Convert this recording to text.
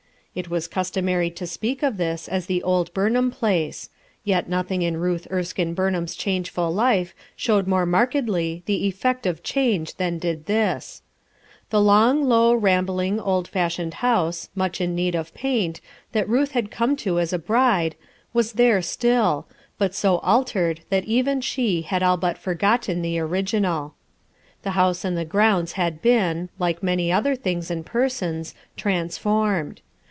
It was customary to speak of this as the old Buniham place; yet nothing in Ruth Erskine Burnham's changeful life showed more markedly the effect of change than did this* A SPOILED MOTHER 97 The long, low, rambling, old fashioned house much in need of paint, that Ruth had come to as fl bride, was there still, but so altered that even she had all but forgotten the original. The house and the grounds had been, like many other things and persons, transformed.